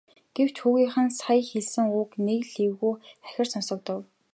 Гэвч хүүгийн нь сая хэлсэн үг нэг л эвгүй хахир сонстов.